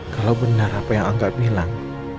kalau benar apa yang anggap bilang